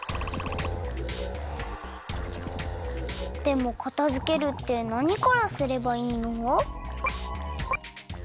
でもかたづけるってなにからすればいいの？